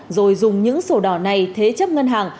rồi dùng những sổ đỏ này thế chấp ngân hàng